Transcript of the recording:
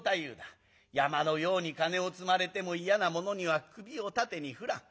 山のように金を積まれても嫌なものには首を縦に振らん。